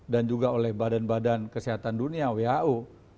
dan juga oleh badan badan kesehatan dunia who